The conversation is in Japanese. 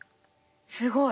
すごい。